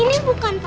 yang ini bukan pak